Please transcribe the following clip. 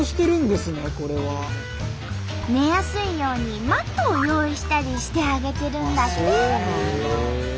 寝やすいようにマットを用意したりしてあげてるんだって！